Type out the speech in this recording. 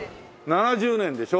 ７０年でしょ？